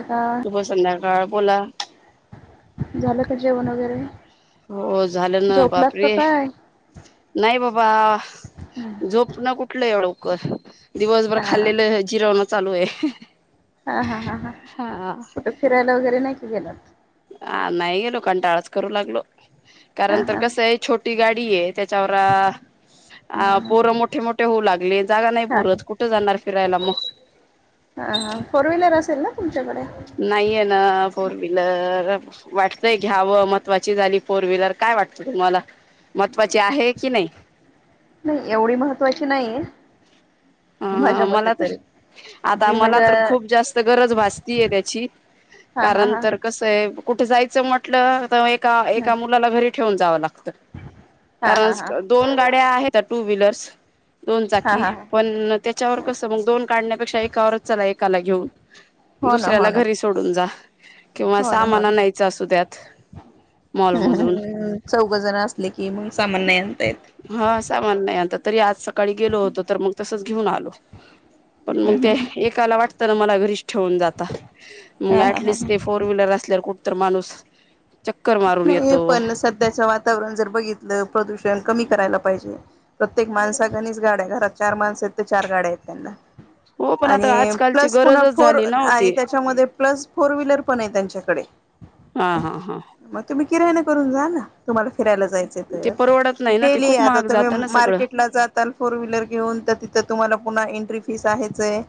आता शुभ संध्याकाळ बोला झालं का जेवण वगैरे हो झालं ना झोपलास का बापरे काय? नाही बाबा हा झोप ना कुठलं ए क दिवसभर खाल्लेले जिरव न. चालू आहे. हा हा हा ह हा कुठे फिरायला वगैरे नाही की गेलत. हा नाही गेलो काणटा आळच करू लागलो. हा कारण तर हा कसं आहे छोटी गाडी. [unintelligible] त्याच्यावर हा हा अ हा पोर मोठे मोठे होऊ लागले जागा नाही हा पोरच हा कुठे जाणार फिरायला मग. हा हा फोर व्हीलर असेल ना तुमच्याकडे नाहीये ना फोर वहीलर वाटतय घ्यावं महत्त्वाची झाली फोर व्हीलर काय वाटतं तुम्हाला.. महत्त्वाची आहे की नाही नाही एवढी महत्वाची नाहीये. हा माझ्या मते मला तर तरी आता जी मला मजा तर खूप जास्त गरज भासतीय त्याची हा हा कारण हा तर कसं आहे कुठे जायचं म्हट म्हटलं तर हं. एका मुलाला घरी ठेवून जावं लागत हा हा कारण हा दोन गाड्या आहेत टू व्हीलर बुस हा हा दोनचाकी हा त्यावर क दो काण्याप एका एकाला घेऊन हो ना हो दुसऱ्याला ना घरी सोडून जा किंवा हो ना हो सामाना ना. नयच असू दत हम्म हम्म मॉलमधून हम्म चौघ जण असले की मग सामान नाही आणता येत. ह सामान नाही आता.. तरी आज स काळी गेलो होतो तर मग घीऊन आलो. पण हम्म मंग हम्म ते एकाला वाटतं ना मला ठेउन जाता. हम्म मग हा हा हा एटलिस्ट ते फोर व्हीलर असल्या कुठ तर माणूस चक्कर मारून नही, येतो. पण सध्याच वातावरण जर बघितलं प्रदूषण कमी करायला पाहिजे. प्रत्येक माणसा गनीच गाड्या घरात चार माणस आहेत, तर चार गाड्या आहेत त्यांना. हो पण आता आणि आजकालची प्लस पुन गरजच फोर झाली ना ओ ती. आणि त्याच्यामध्ये. प्लस. फोर व्हीलर पण आहे त्यांच्याकडे. हा हा हा. तुम्ही किरण करून जा ना तुम्हाला फिरायला जायचं ते तर परवडत नाही ना ते डेली खूप आता महाग तर जातं ना सगळं. मार्केट ला जाताल फोर व्हिलर घेऊन त तिथं तुम्हाला पुन्हा एन्ट्री फिस आहेचय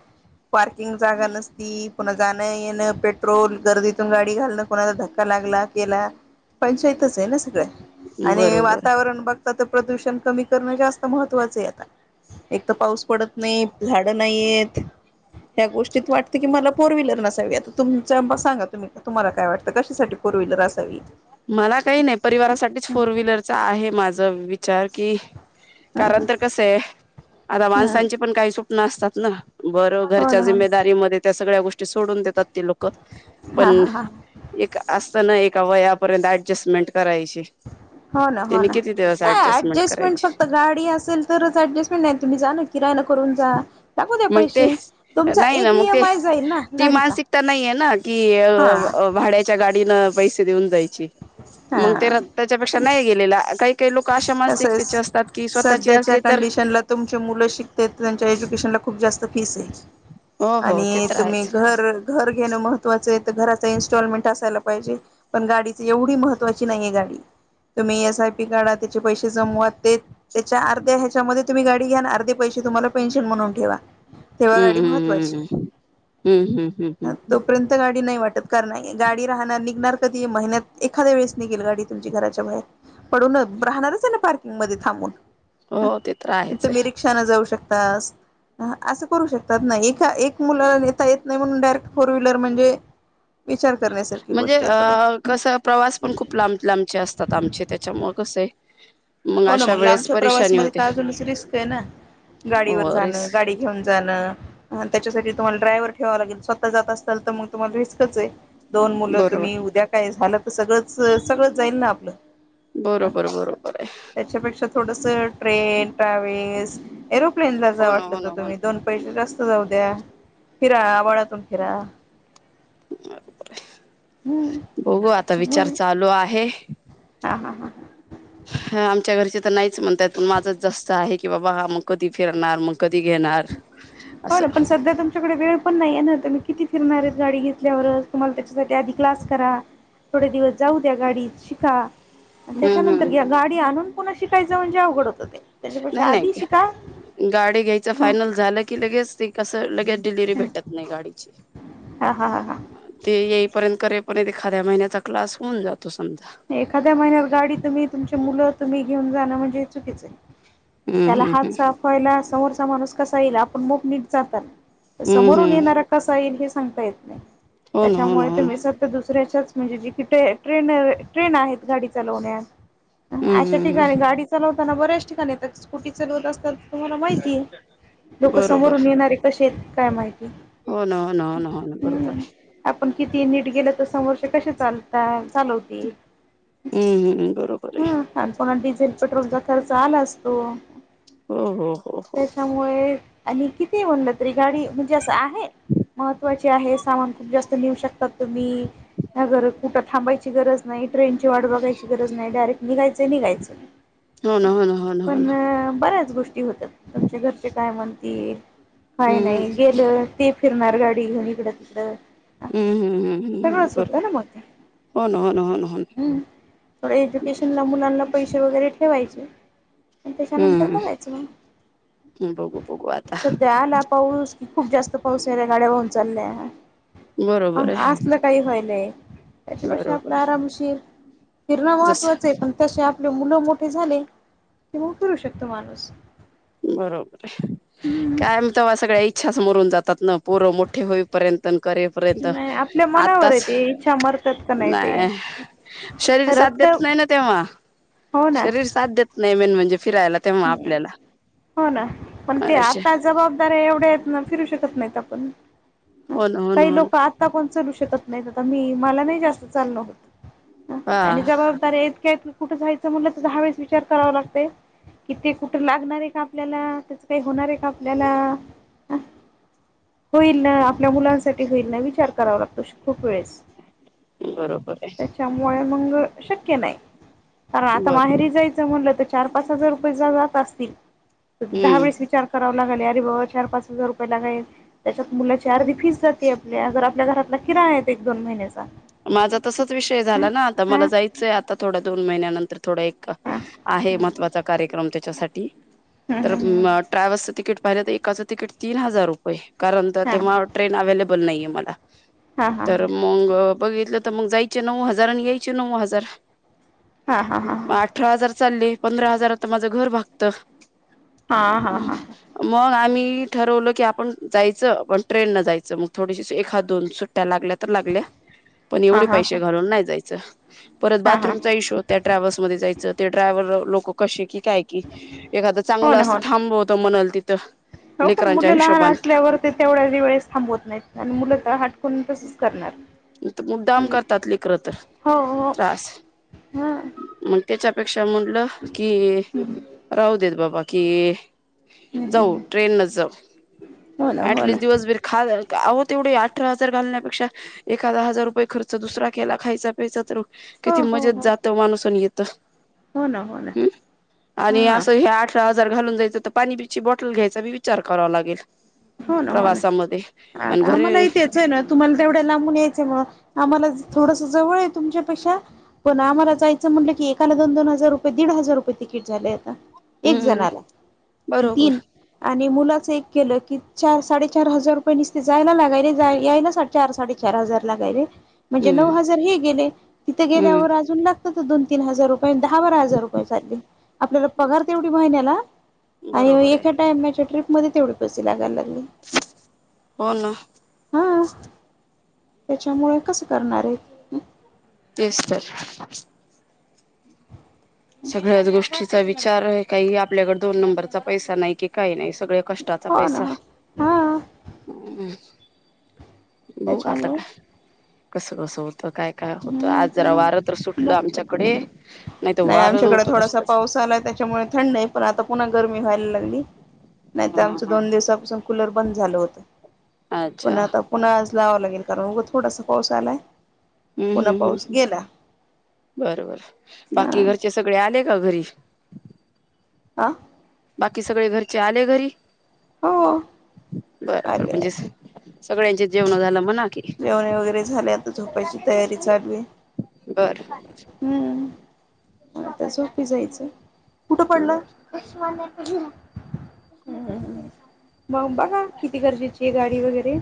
पार्किंग जागा नसती, पुन्हा जाणं येणं, पेट्रोल गर्दीतून गाडी घालणं कोणाला धक्का लागला गेला, पंचायतच आहे ना सगळ. आणि बरोबर. वातावरण बघता त प्रदूषण कमी करणं जास्त महत्त्वाचं आहे आता, एक तर पाऊस पडत नाहीयेत. झाड नाहीेयेत ह्या गोष्टीत वाटत की मला फोर व्हिलर नसावी. आता तुमच्या सांगा तुम्ही तुम्हाला काय वाटत कशासाठी फोर व्हीलर आस सवी मला काही नाही परिवारासाठीच फोर व्हिलरचं आहे माझ वि चार की हम्म कारण तर कसं आहे. आता हम्म माणसांची पण काही सुप नासतात ना बरं हो घरच्या ना हो ना जिम्मेदारी मधे त्या सगळ्या गोष ते सोडून देतात. ते लोक हा पण हा हा एक आस तनह एका वयाप पर्यन्त अडजेस्टमेंट हो ना, हो ना, दिवस आ ऍडजस्टमेंट ऍटजेस्टमेंट फक्त करायची गाडी असेल तरच ऍटजेस्टमेंट नाही तुम्ही जाण मग ते, तुमचा नाही ना एक ई मग ते, एम आय जाईल ना ती गाडीचा मानसिकता नाही येना कि हा भाड्याच्या गाडीनं पैसे देऊन जाई हा मंग ते रक्ताच्यापेक्षा नाही गेलेला आ काही काही लोक अशा तसेस, मानसिकतेचे असतात की स्वतःची सध्याच्या असली तर कंडिशनला तुमची मुलं शिकते त. त्यांच्याज्युकेशनला खूप जास्त फीस आहे. हो ह [unintelligible] हो ते आणि तर तुम्ही आहेच घर घर घेणं महत्त्वाचं आहे. घरा इस्टॉलमेट असयला पाजे पण गाडी एवढी महत्त्वाची नाहीये गाडी तुम्ही एस आय पी काढा त्याचे पैसे जमवत ते त्याच्या अर्ध्या ह्याच्यामध्ये तुम्ही गाडी घ्या अर्धे पैसे तुम्हाला पेन्शन म्हणून ठेवा तेव्हा गाडी हम्म महत्त्वाची हम्म हम्मम्म हम्म हम्म आहे हम्म हम्म हम् तोपर्यंत गाडी वाटत नाही गाडी राहणार निघणार कधी महिन्यात एखाद्या वेळेस निघेल गाडी तुमची घराच्या बाहेर पडू न राहणारच आहे ना पार्किंग मध्ये थांबून हो ते तर राहायच आहे अस करू शकतात ए मुता येत नाही म्हणूनडायरेक्ट फोर व्हीलर म्हणजेच म्हणजे अ कस प्रवास पण खूप लांब लांबचे असतात आमचे त्याच्यामुळे कसं आहे हो ना अशा मग वेळेस लांबच्या परेशानी प्रवासमध्ये होते तर अजूनच रिस्क आहे ना गाडीवर हो जाणं रिस्क गाडी घेऊन जाणं ह त्याच्यासाठी तुम्हाला ड्रायव्हर ठेवा लागेल स्वतः जात असाल तर मग तुम्हाला विसकच आहे दोन मुलं बरोबर तुम्ही उद्या काय झालं तर सगळंच सगळंच जाईल ना आपलं बरोबर बरोबर आहे त्याच्यापेक्षा थोडस ट्रेन ट्रॅवल्स एरोप्लेन ला जा हो ना हो वाटलं तर ना हो ना तुम्ही दोन पैसे रस्त जाऊ द्या फिरा आवळातून फिरा हम्म बघू आता विचार त्याच्यामुळे चालू आहे हा हा हां ह हा आमच्या घरचे तर नाहीच म्हणतय प माझंच जास्त आहे की बाबा मग कधी फिरणार मग कधी घेणार हो ना असं पण सध्या तुमच्याकडे वेळ पण नाही आहे ना मही किती फिर मऱ्यात गाडी घेतल्यावरच तुम्हाला त्याच्यासाठी आधी क्लास करा थोडे दिवस जाऊ द्या गाडीत शिका हम्म त्याच्यानंतर घ्या हम्म गाडी आणून कोुणा शिकयं म्हणेवघडं नाही नाही गाडी घ्यायच हा फायनल झालं की की लगे ठीक असस लगे डिलवररी भेटत नाही गाडीची हा हा हा ते र्यंत करे पर्यंत एखाद्या महिन्याचा क्स होऊन जातो समजा एखाद्या महिन्यात गाडी तुम्ही तुमचे मुलं तुम्ही घेऊन जाणं म्हणजे चुकीचं आहे हम्म त्याला हम्म हात साफवायला समोर माणूस कसा येईल आपण मग नीट जातात हम्म हम्म समोरून हम्म येणार कसाईल हे सांगता येत नाही हो ना हो ना त्याच्यामुळे हो ते ना मिसर तर दुस फ्रेशर्स म्हणजे जी की ट्रेनर ट्रेन आहेत गाडी चालवण्यात हम्म अशा हम्म ठिकाणी हम्म गाडी चालवते असताना बऱ्याच ठिकाणी येतात स्कुटी चालवत असतात तुम्हाला माहिती आहे लोक बरोबर समोरून येणारे कशे येतात काय माहिती हो ना हो ना हो ना हो ना बरोबर हम् आहे आपण किती नीट गेल तर समोर क चालताय चालव हम्म हम्मम् बरोबर आहे ह आणि पुन्हा डिझेल पेट्रोलचा खर्च आला असतो ह ह हो हो त्याच्यामुळे आणि किती होऊनला तरी गाडी म्हणजे अस महत्वाचे आहे सामान खूप जास्त नेऊ शकतात मी नगर कुठं थांबायची गरज नाही ट्रेन ची वाट बघायची गरज नाही डायरक्ट निघायचं निघायचं हो ना हो ना होन हो ना होत तुमच्या घरचे काय म्हणतील का हम्म नाही गेलं ते फिरणार गाडी घेऊन इकडं तिकड हम्म हम्म हम् हम् बरोबर मग ते हो ना हो ना हो ना हो हम्म थोड एज्युकेशन ला मुलांना पैसे वगैरे ठेवायचे त्याच्यानंतर हम्म बघायचं मग हम्म बघू बघू आता सध्या आला पाऊस की खूप जास्त पाऊस यायला गाड्या वाहून चालल्या बरोबर आहे असलं काही व्हायलय त्याच्यापेक्ष आपला बरोबर आराम फिरणं जस महत्त्वाचं आहे पण तश मुलं मोठे झाले ते मग फिूरु शकतो माणूस बरोबर आहे काय म तेव्हा सगळ्या इच्छा समोरून जातो तज् पूर्व मोठे होईपर्यंत करेपर्यंत नाही आपल्या मनावर आहे आत्ताच ते इच्छा मरतात का ते. नाही शरीर साथ रक्त घेत नाही ना तेव्हा हो ना शरीर साध्य देत नाही मेन म्हणजे फिरायला तेव्हा आपल्याला हो ना पण ते असे आता जबाबदारीे एवढ्या आहेत फिरू शकत तप नाही तापून हो ना हो ना काही हो लोक ना आता पण लू शक शत नाही आता मी मला नाही जास्त चालण होत आणि हा जबाबदारी आहेत कुठं जायचं म्हट दहावेळेस विचार करावा लागतते कि ते कुठे लागणार आहे का आपल्याला त्याच काही होणार आहे का आपल्याला होईल ना आपल्या मुलांसाठी होईल ना विचार करावा लागतो खूप वेळेस बरोबर आहे त्याच्यामुळे मंग शक्य नाही आहे कारण आता बर माहेरी जायचं म्हणलं तर चार पाच हजार रुपये जा जात असतील दहा हम्म वेळेस विचार करावा लागले अरे बाबा चार पाच हजार रुपये लागाल त्याच्यात मुची अर्धी फीस जाते आपल्या अगर आपल्या घरातला किराण आहेत एक दोन महिन्या माझा तसच विषय झाला ना आता मला हा जायचंय आता थोड्या दोन महिन्यानंतर थोडा एक हा आहे महत्त्वाचा कार्यक्रम त्याच्यासा ते हा हा तर म ट्रॅव्हल्सचं तिकीट पाहिलं तर एकाचं तिकीट तीन हजार रुपये. कारण ते हा हा तेव्हा ट्रेन अवेलेबल बल नाइये मला हा तर मंग बघितलं तर मंग जायच नऊ हजार आणि यायचे नऊ हजार. हा हा हा मग हा अठरा हजार चालले पंधरा हजारत तर माझं घर भागत. हा हा हा मग आम्ही की ठरवलं की आपण जायचं पण ट्रेन न जायचं मग थोडीशी एखा दोन सुट्ट्या लागल्या तर लागल्या. पण हा एवढे हा पैसे ह घालून नाय जायच. च परत हा हा बाथरूमचा इशु त्या ट्रॅव्हल्स मध्ये जायचं ते ड्रायव्हर लो लोक को कशी की काय की एखादं हो चांगलं ना असतं होन थांबवतं म्हणाल तिथं हो पण लेकरांच्या मुलं लहान हिशोबान असल्यावर ते तेवढ्या वेळेस थांबवत नाहीत आणि मुलं तर हटकून तसच. करणार. मुद्दाम करतात लेकर तर हो हो त्रास हा मग त्याच्यात म्हटलं की राहू देत बाबा की जाऊ ट्रेन नच जाऊ हो ना हो ना ऍटलीस्ट दिवसभर खा आहो तेवढे अठरा हजार घालण्यापेक्षा एखाद हजार रुपये खर्च दुसरा केला खायचा पैसा तर ओ किती हो हो मजेत हो जातो माणूस आणि येत त हो ना हो ना हूं आणि हा असं ह्या आठरा जर घालून जायचं तर पाणीबीची बॉटल घ्यायचा मी विचार करावा लागेल. हो ना हो ना प्रवासामध्ये आणि आता आम्हाला घरी इथेच आहे ना तुम्हाला तेवढ्या लांबून या चमुळे आम्हाला थोडस जवळ आहे तुमच्यापेक्षा पण आम्हाला जायचं म्हटलं की एकाला दोन दोन हजार रुपये दीड हजार रुपये तिकीट झालंय आता. एक हम्म जणाला बरोबर तीन आणि मुलाचं एक केलं की चार साडेचार हजार रुपये निसते जायला लागायले यायला चार साडेचार हजार लागायले. म्हणजे नऊ हम्म हजार हे गेले तिथं गेल्यावर हम्म अजून लाग दोन तीन हजार रुपये दहा बारा हजार रुपये चालले आपल्याला पगार तेवढी महिन्याला. आणि बरोबर एका टाइमच्या ट्रीप मध्ये तेवढे पैसे लागाला ला होन. हा त्याच्यामुळे कसं करणार आहे? तेच तर. सगळ्याच गोष्टी चा विचार काही आपल्याकडे दोन नंबरचा पैसा नाही की काही नाही. सगळे कष्टाचा हो ना पैसा.. हा ह. बघू त्याच्यामुळे आताकाय. कसं कसं त काय काय होत हम्म आज जरा वारं तर हम्म सुटलं मग आमच्याकडे नाही वारं आमच्याकडे नव्हतं थोडासा कसलंच पाऊस आलाय त्याच्यामुळे थंड आहे पण आता पुन्हा गर्मी व्हायला हली. नाही तर ह ह आमच ह दोन दिवसापासून कुलर बंद झालं होतं. अच्छा पण आता पुन्हा आज लावावं लागेल. करूगा थोडासा पाऊस आलाय. हम्म! पुन्हा हम्म! पाऊस हम्! गेला. बर बर. बाकी हा घरचे सगळे आले. का घरी आह? बाकी सगळे घरचे आले घरी? हो बरबर. आले म्हणजे आले सगळ्यांचे जेवण झालं म्हणा. की जेवणे वगैरे झाले आता झोपायची तयारी चालय बर हम्म. आता झोपी जायचं कुठं पडलं बर मग बघा किती गरजेची आहे गाडी वगैरे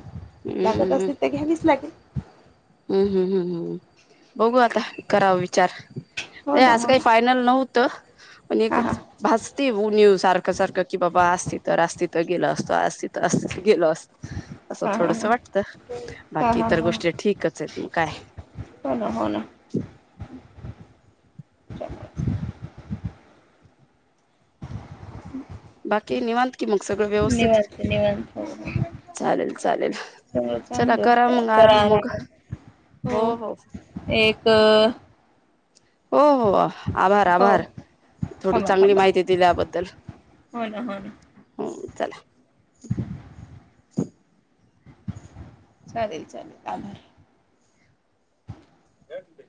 हम्म हम्म लागे हम्म हम्म हम्म हम् बघू आता कराव विचार हो अरे ना असज हो काही ना फायनल नव्हतं प एक हा हा भासते ऊन सारखं सारखं की बाबा असती तर असत तर गेल असतो असत तर असत गेल असतो असं हा हा थोडस हा वाटत हा बाकी हा इतर हा गोष्टी ठीकच आहे त काय च हम् बाकी निवांत की मग सगळं व्यवस्थित निवांत निवांत चालेल चालेल चग चला चांगलं करा मग कर आराम मग हो एक हो हो आभार हो आभार थोडी थांबा चांगली थांबा माहिती दिल्याबद्दल हो ना हो ना हो चला [unintelligible] चालेल चालेल आभार हते